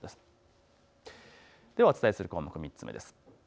ではお伝えする項目、３つ目です。